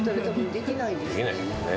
できないですね。